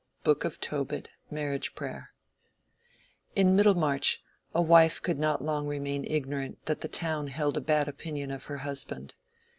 —BOOK OF TOBIT: Marriage Prayer. In Middlemarch a wife could not long remain ignorant that the town held a bad opinion of her husband.